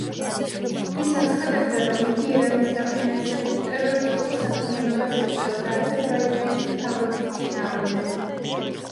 ის აცხადებდა, რომ იგი ირანის დაფინანსებით ტერორისტულ საქმიანობას ეწეოდა აზერბაიჯანის მთავრობის წინააღმდეგ.